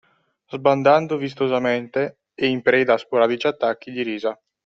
Sbandando vistosamente e in preda a sporadici attacchi di risa.